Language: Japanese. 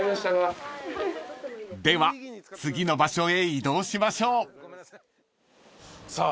［では次の場所へ移動しましょう］さあ。